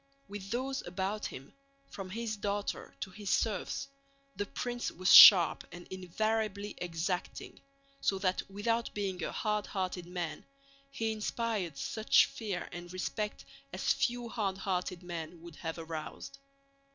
With those about him, from his daughter to his serfs, the prince was sharp and invariably exacting, so that without being a hardhearted man he inspired such fear and respect as few hardhearted men would have aroused.